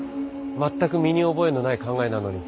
全く身に覚えのない考えなのに。